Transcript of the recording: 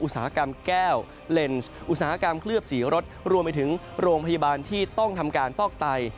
อุตสาหกรรมแก้วเลนส์อุตสาหกรรมเคลือบสีรถรวมไปถึงโรงพยาบาลที่ต้องทำการฟอกไต